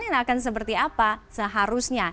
yang akan seperti apa seharusnya